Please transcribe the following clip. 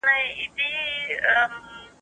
انسانیت مهم دی.